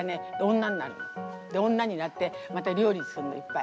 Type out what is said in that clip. で女になってまた料理作るのいっぱい。